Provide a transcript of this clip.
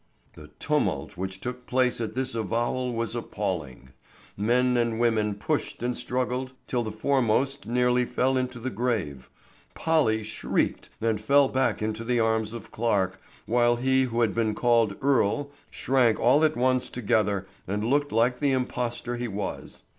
The tumult which took place at this avowal was appalling. Men and women pushed and struggled till the foremost nearly fell into the grave. Polly shrieked and fell back into the arms of Clarke, while he who had been called Earle shrank all at once together and looked like the impostor he was.